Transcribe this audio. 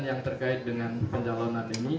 yang terkait dengan pencalonan ini